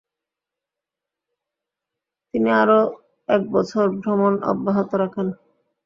তিনি আরো একবছর ভ্রমণ অব্যাহত রাখেন।